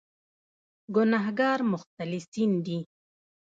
ګناهکار مختلسین دي.